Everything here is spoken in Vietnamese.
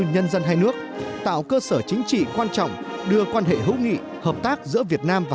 nhân dân hai nước tạo cơ sở chính trị quan trọng đưa quan hệ hữu nghị hợp tác giữa việt nam và